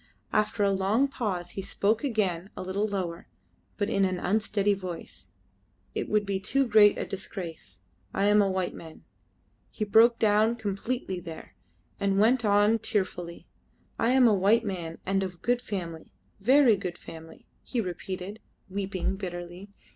After a long pause he spoke again a little lower, but in an unsteady voice, "It would be too great a disgrace. I am a white man." He broke down completely there, and went on tearfully, "I am a white man, and of good family. Very good family," he repeated, weeping bitterly.